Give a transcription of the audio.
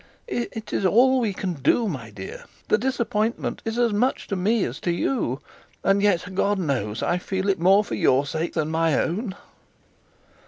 'It is all we can do, my dear. The disappointment is as much to me as to you; and yet, God knows, I feel it more for your sake than my own.'